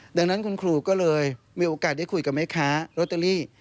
ดังนั้นคุณครูก็เลยมีโอกาสได้คุยกับแม่ค้าโรตเตอรี่